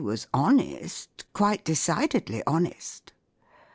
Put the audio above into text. as honest, quite decidedly honest."